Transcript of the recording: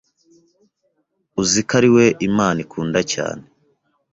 Uziko ari we Imana ikundacyane